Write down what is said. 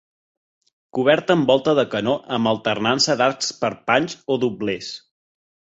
Coberta amb volta de canó amb alternança d'arcs perpanys o doblers.